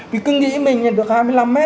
vì cứ nghĩ mình được hai mươi năm m